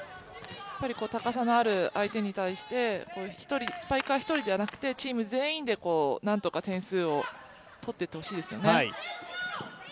高さのある相手に対してスパイクは１人ではなくてチーム全員でなんとか点数を取っていってほしいですよね。